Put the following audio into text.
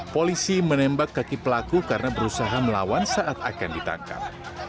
polisi menembak kaki pelaku karena berusaha melawan saat akan ditangkap